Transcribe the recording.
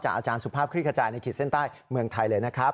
อาจารย์สุภาพคลิกขจายในขีดเส้นใต้เมืองไทยเลยนะครับ